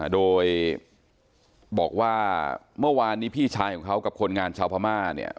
โดยบอกว่าเมื่อวานนี้พี่ชายของเขากับคนงานชาวพม่าเนี่ย